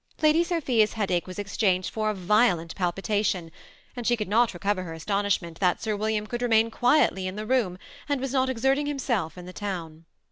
Lady Sophia's headadie was exchanged for a violent psdpitation, and she could not recover her aston ishment that Sir Willtam' could remwn quietly in the room, and was not exerting himself in the town.